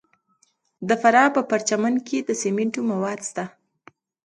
د فراه په پرچمن کې د سمنټو مواد شته.